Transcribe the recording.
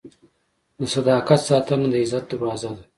د صداقت ساتنه د عزت دروازه ده.